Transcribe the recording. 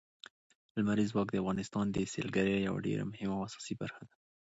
لمریز ځواک د افغانستان د سیلګرۍ یوه ډېره مهمه او اساسي برخه ده.